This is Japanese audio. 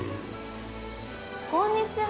こんにちは！